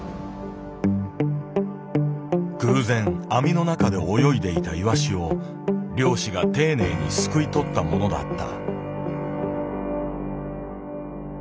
偶然網の中で泳いでいたイワシを漁師が丁寧にすくいとったものだった。